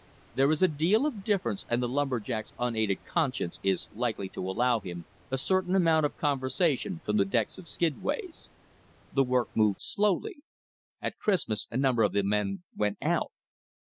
There is a deal of difference, and the lumber jack's unaided conscience is likely to allow him a certain amount of conversation from the decks of skidways. The work moved slowly. At Christmas a number of the men "went out."